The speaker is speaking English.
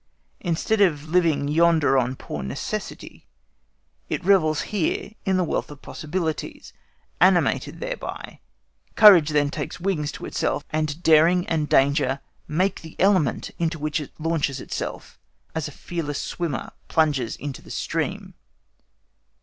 Instead of living yonder on poor necessity, it revels here in the wealth of possibilities; animated thereby, courage then takes wings to itself, and daring and danger make the element into which it launches itself as a fearless swimmer plunges into the stream.